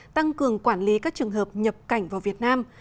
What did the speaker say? tăng cường quản lý các trường hợp nhập cảnh vào việt nam